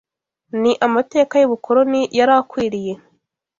ni amateka y’ubukoloni yari akwiriye